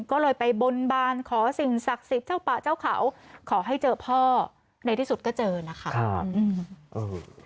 ก็เลยไปบนบานขอสิ่งศักดิ์สิทธิ์เจ้าป่าเจ้าเขาขอให้เจอพ่อในที่สุดก็เจอนะคะครับโอ้โห